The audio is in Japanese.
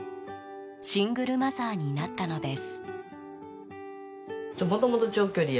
シングルマザーになったのです。